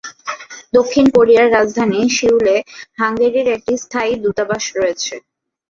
দক্ষিণ কোরিয়ার রাজধানী সিউলে হাঙ্গেরির একটি স্থায়ী দূতাবাস রয়েছে।